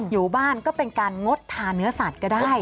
อยู่บ้านก็เป็นการงดทานเนื้อสัตว์ก็ได้